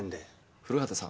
古畑さん？